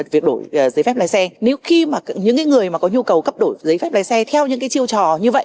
việc đổi giấy phép lái xe nếu khi mà những người mà có nhu cầu cấp đổi giấy phép lái xe theo những cái chiêu trò như vậy